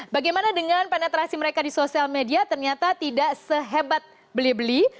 bagaimana dengan penetrasi mereka di sosial media ternyata tidak sehebat beli beli